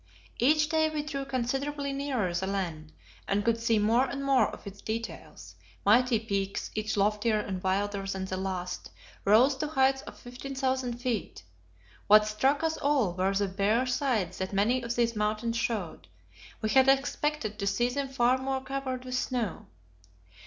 Each day we drew considerably nearer the land, and could see more and more of its details: mighty peaks, each loftier and wilder than the last, rose to heights of 15,000 feet. What struck us all were the bare sides that many of these mountains showed; we had expected to see them far more covered with snow.